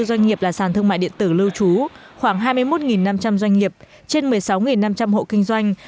ba mươi doanh nghiệp là sản thương mại điện tử lưu trú khoảng hai mươi một năm trăm linh doanh nghiệp trên một mươi sáu năm trăm linh hộ kinh doanh